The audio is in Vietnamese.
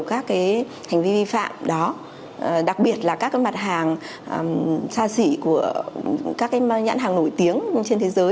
các hành vi vi phạm đó đặc biệt là các mặt hàng xa xỉ của các nhãn hàng nổi tiếng trên thế giới